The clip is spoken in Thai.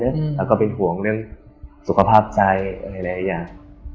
แล้วก็เป็นห่วงเรื่องสุขภาพใจหลายอย่าง